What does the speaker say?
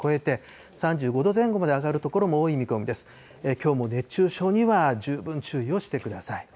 きょうも熱中症には十分注意をしてください。